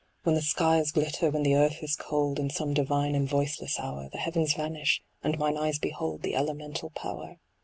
When the skies glitter, when the earth is cold, In some divine and voiceless hour, The heavens vanish, and mine eyes behold The elemental Power.